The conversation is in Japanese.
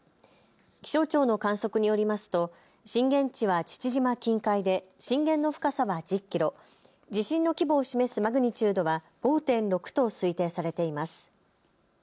気象庁の観測によりますと震源地は父島近海で震源の深さは１０キロ、地震の規模を示すマグニチュードは５．６と推定されています。